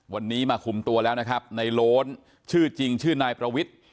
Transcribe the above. วันนี้มาคุมตัวแล้วนะครับในโล้นชื่อจริงชื่อนายประวิทธิ์